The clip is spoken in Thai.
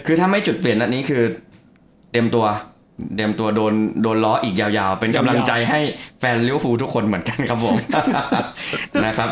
คือถ้าไม่จุดเปลี่ยนอันนี้คือเต็มตัวเต็มตัวโดนล้ออีกยาวเป็นกำลังใจให้แฟนลิวฟูทุกคนเหมือนกันครับผมนะครับ